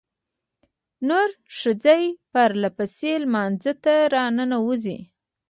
نرو ښځې پرلپسې لمانځه ته راننوځي.